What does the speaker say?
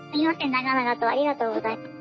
長々とありがとうございました。